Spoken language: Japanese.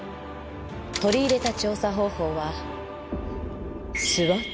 取り入れた調査方法は。